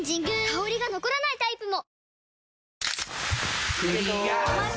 香りが残らないタイプも！